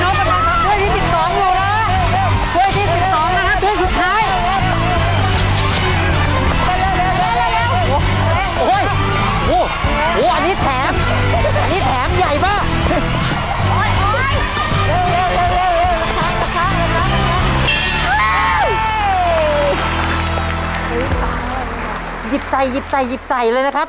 ออกสตาร์ทได้แต่เครื่องเริ่มติดแล้วนะครับ